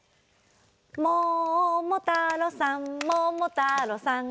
「ももたろうさんももたろうさん」